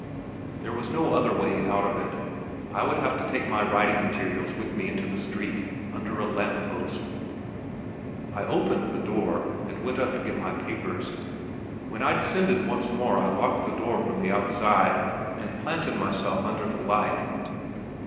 There was no other way out of it. I would have to take my writing materials with me into the street, under a lamp post. I opened the door, and went up to get my papers. When I descended once more I locked the door from the outside, and planted myself under the light.